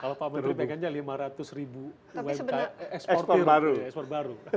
kalau pak menteri pengennya lima ratus ribu umkm ekspor baru